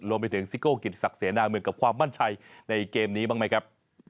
ซิโก้กิจศักดิ์เสนาเมืองกับความมั่นใจในเกมนี้บ้างไหมครับ